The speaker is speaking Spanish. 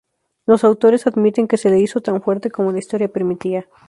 Los autores admiten que se le hizo tan fuerte como la historia permitía.